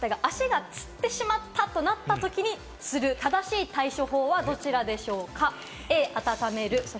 ＶＴＲにもありましたが足がつってしまったとなった時にする、正しい対処方法はどちらでしょうか？